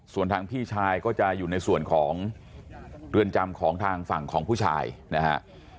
ส่วนทางพี่ชายก็จะอยู่ในส่วนของเรือนจำของทางฝั่งของผู้ชายนะฮะ